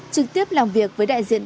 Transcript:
trực tiếp làm việc với đại diện